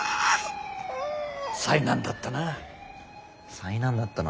災難だったな。